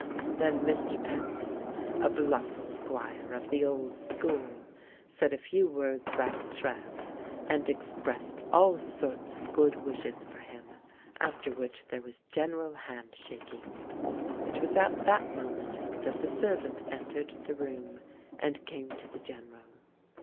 Then Mr. Penryn, a bluff squire of the old school, said a few words about Trev, and expressed all sorts of good wishes for him, after which there was general hand shaking. It was at that moment that the servant entered the room and came to the General.